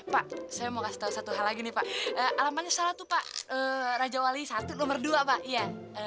pak saya mau kasih tahu satu hal lagi nih pak alamannya salah tuh pak raja wali satu nomor dua pak ya